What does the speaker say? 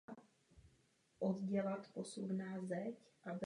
Naše reakce musí vycházet ze solidarity.